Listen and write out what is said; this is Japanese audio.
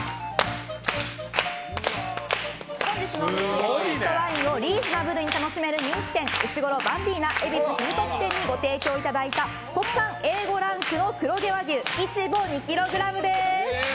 本日のお肉は、焼き肉とワインをリーズナブルに楽しめる人気店うしごろバンビーナ恵比寿ヒルトップ店にご提供いただいた国産Ａ５ランクの黒毛和牛イチボ２ｋｇです。